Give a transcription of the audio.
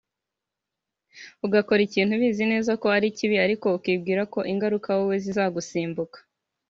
ugakora ikintu ubizi neza ko ari kibi ariko ukibwira ko ingaruka wowe zizagusimbuka